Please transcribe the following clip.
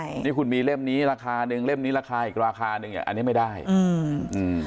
ใช่นี่คุณมีเล่มนี้ราคาหนึ่งเล่มนี้ราคาอีกราคาหนึ่งเนี้ยอันนี้ไม่ได้อืมอืม